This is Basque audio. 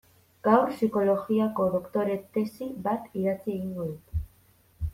Gaur psikologiako doktore tesi bat idatzi egingo dut.